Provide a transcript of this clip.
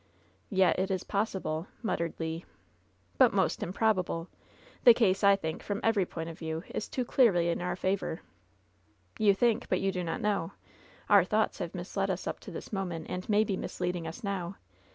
"Yet, it is possible," muttered Le. '^ut most improbable. The case, I think, from every point of view, is too clearly in our favor." "You think, but you do not know. Our thoughts have misled us up to this moment, and may be misleading us now.